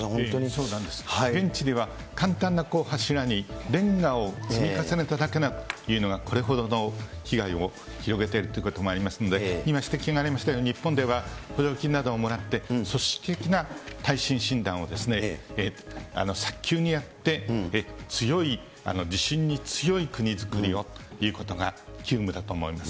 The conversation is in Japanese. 現地では、簡単な柱にレンガを積み重ねただけだというのが、これほどの被害を広げてるということもありますので、今、指摘がありましたように、日本では補助金などをもらって組織的な耐震診断を早急にやって、強い、地震に強い国づくりをということが急務だと思います。